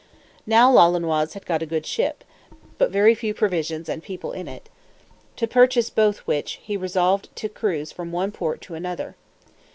Now Lolonois had got a good ship, but very few provisions and people in it; to purchase both which, he resolved to cruise from one port to another.